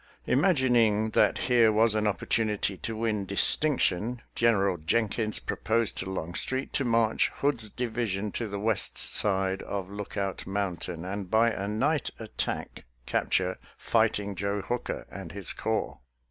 Imag ining that here was an opportunity to win dis tinction. General Jenkins proposed to Long street to march Hood's division to the west side of Lookout Mountain, and by a night attack capture " Fighting Joe Hooker " and his corps.